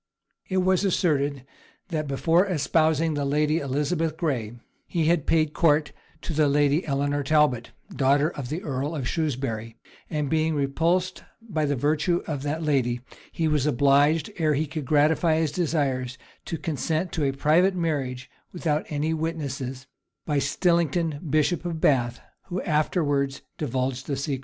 It was asserted that, before espousing the lady Elizabeth Gray, he had paid court to the lady Eleanor Talbot, daughter of the earl of Shrewsbury; and being repulsed by the virtue of that lady, he was obliged, ere he could gratify his desires, to consent to a private marriage, without any witnesses, by Stillington, bishop of Bath, who afterwards divulged the secret.